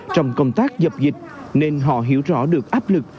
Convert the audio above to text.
trong công tác dập dịch nên họ hiểu rõ được áp lực